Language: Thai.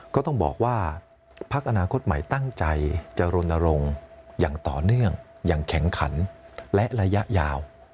ก็ต้องบอกว่าพักอนาคตใหม่ตั้งใจจะรณรงค์อย่างต่อเนื่องอย่างแข็งขันและระยะยาว